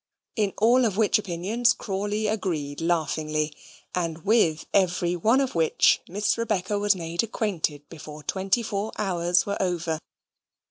in all of which opinions Crawley agreed laughingly, and with every one of which Miss Rebecca was made acquainted before twenty four hours were over.